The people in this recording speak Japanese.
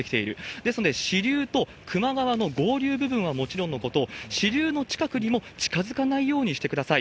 ですので支流と球磨川の合流部分はもちろんのこと、支流の近くにも近づかないようにしてください。